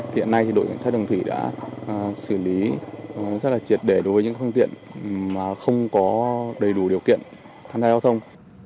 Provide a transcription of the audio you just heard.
hiện nay thì đội cảnh sát đường thủy đã xử lý rất là triệt để đối với những phương tiện mà không có đầy đủ điều kiện tham gia giao thông